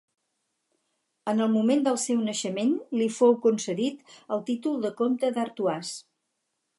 En el moment del seu naixement, li fou concedit el títol de comte d'Artois.